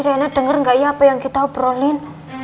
reina denger gak iya apa yang kita obrolin